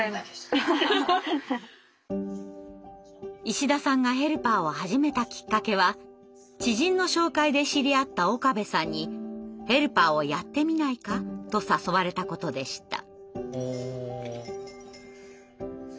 石田さんがヘルパーを始めたきっかけは知人の紹介で知り合った岡部さんに「ヘルパーをやってみないか」と誘われたことでした。